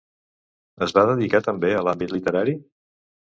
Es va dedicar també a l'àmbit literari?